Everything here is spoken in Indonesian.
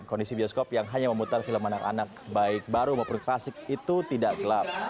kondisi bioskop yang hanya memutar film anak anak baik baru maupun klasik itu tidak gelap